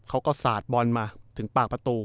สาดบอลมาถึงปากประตู